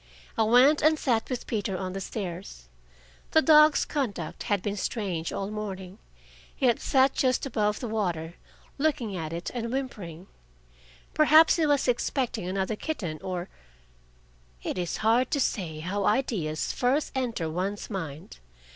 I went and sat with Peter on the stairs. The dog's conduct had been strange all morning. He had sat just above the water, looking at it and whimpering. Perhaps he was expecting another kitten or It is hard to say how ideas first enter one's mind.